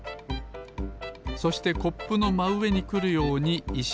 そしてコップのまうえにくるようにいしをおきます。